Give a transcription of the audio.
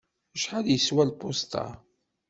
Acḥal yeswa lpuṣt-a?